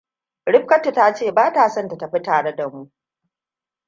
Rifkatu ta ce ba ta son ta tafi tare da mu.